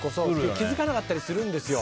気づかなかったりするんですよ。